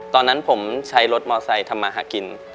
ตอนนั้นผมใช้รถมอไซค์ทำมาหากิน